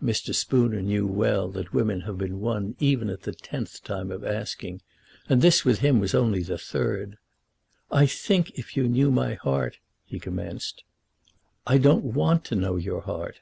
Mr. Spooner knew well that women have been won even at the tenth time of asking, and this with him was only the third. "I think if you knew my heart " he commenced. "I don't want to know your heart."